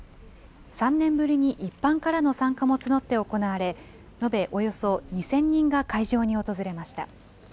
３年ぶりに一般からの参加も募って行われ、延べおよそ２０００人が会場に訪れました。